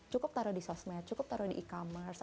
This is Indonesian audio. cukup taruh di sosmed cukup taruh di e commerce